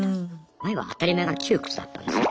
前は当たり前が窮屈だったんですよね。